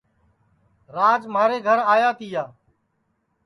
راج مِھارے گھر آیا تیا